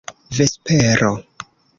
vespero